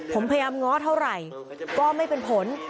ผมพยายามง้อเท่าไหร่ก็ไม่เป็นผล